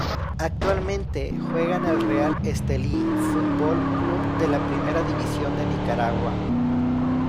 Actualmente juega en el Real Estelí Fútbol Club de la Primera División de Nicaragua.